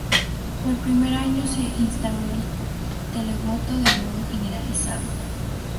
Por primer año, se instauró el televoto de modo generalizado.